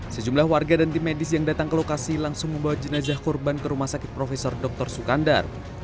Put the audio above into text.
sejumlah warga dan tim medis yang datang ke lokasi langsung membawa jenazah korban ke rumah sakit prof dr sukandar